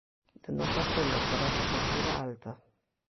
De non facelo, farase efectiva a alta.